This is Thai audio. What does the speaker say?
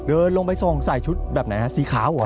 เดินลงไปส่งใส่ชุดแบบไหนฮะสีขาวเหรอ